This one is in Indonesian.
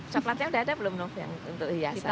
soplatnya udah ada belum novi yang untuk hiasan